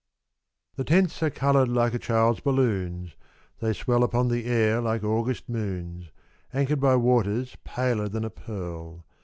THE tents are coloured like a child's balloons ; They swell upon the air like August moons — Anchored by waters paler than a pearl.